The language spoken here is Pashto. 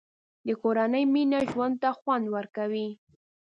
د کورنۍ مینه ژوند ته خوند ورکوي.